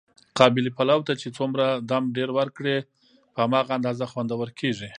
قابلي پلو ته چې څومره دم ډېر ور کړې، په هماغه اندازه خوندور کېږي.